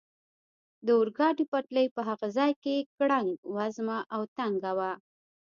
د اورګاډي پټلۍ په هغه ځای کې ګړنګ وزمه او تنګه وه.